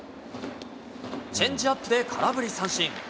チェンジアップで空振り三振。